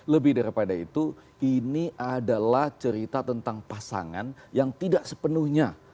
lebih daripada itu ini adalah cerita tentang pasangan yang tidak sepenuhnya